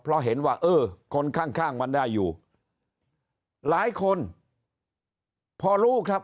เพราะเห็นว่าเออคนข้างข้างมันได้อยู่หลายคนพอรู้ครับ